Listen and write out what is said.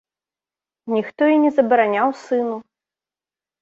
Ніхто і не забараняў сыну.